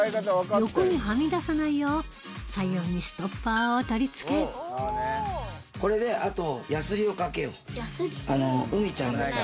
横にはみ出さないよう左右にストッパーを取り付けこれであと。